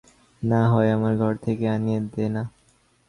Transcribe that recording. না হয় আমার ঘর থেকেই আনিয়ে দে-না।